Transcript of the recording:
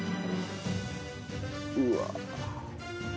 うわ。